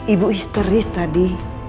ibu histeris tadi